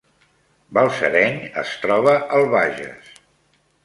Balsareny es troba al Bages